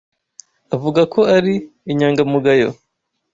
Avuga ko ari inyangamugayo.